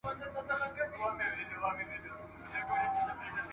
د ميرمني په دفاع کي مرګ شهادت بلل سوی دی.